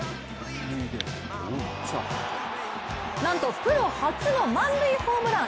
なんとプロ初の満塁ホームラン。